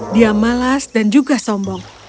dia malas dan juga sombong